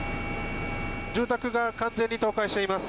住宅が完全に倒壊しています。